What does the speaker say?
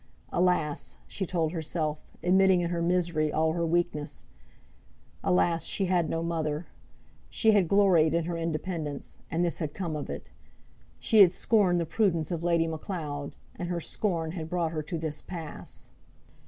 Alas! she told herself, admitting in her misery all her weakness, alas, she had no mother. She had gloried in her independence, and this had come of it! She had scorned the prudence of Lady Macleod, and her scorn had brought her to this pass!